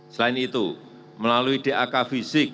selain itu melalui dak fisik